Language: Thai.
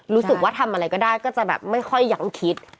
รู้สึกว่าทำอะไรก็ได้ก็จะแบบไม่ค่อยยังคิด